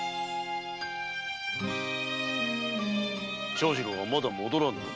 長次郎がまだ戻らぬ？